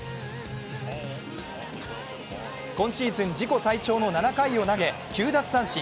今シーズン自己最長の７回を投げ９奪三振。